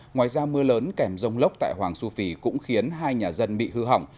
ngoài ra mưa lớn kèm rông lốc tại hoàng su phi cũng khiến hai nhà dân bị hư hỏng